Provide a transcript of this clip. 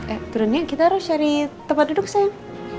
eh ternyata kita harus cari tempat duduk sayang